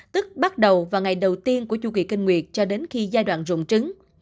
tức bắt đầu vào ngày đầu tiên của chu kỳ kinh nguyệt cho đến khi giai đoạn rụng trứng